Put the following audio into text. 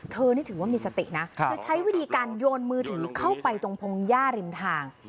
นี่ถือว่ามีสตินะเธอใช้วิธีการโยนมือถือเข้าไปตรงพงหญ้าริมทาง